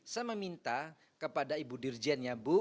saya meminta kepada ibu dirjen ya bu